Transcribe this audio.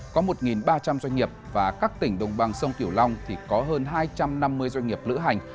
có một ba trăm linh doanh nghiệp và các tỉnh đồng bằng sông kiểu long thì có hơn hai trăm năm mươi doanh nghiệp lữ hành